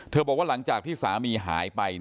บอกว่าหลังจากที่สามีหายไป